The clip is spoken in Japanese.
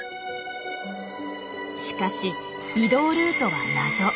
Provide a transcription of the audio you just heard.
しかし移動ルートは謎。